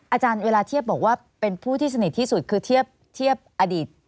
อาจารย์เวลาเทียบบอกว่าเป็นผู้ที่สนิทที่สุดคือเทียบอดีต